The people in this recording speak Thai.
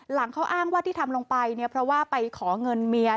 หลังเขาอ้างว่าที่ทำลงไปเนี่ยเพราะว่าไปขอเงินเมีย